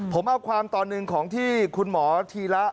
ผมเอาความตอนหนึ่งของที่คุณหมอธีระ